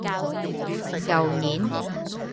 舊年